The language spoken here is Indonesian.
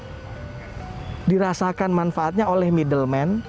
keuntungan ini dirasakan manfaatnya oleh middlemen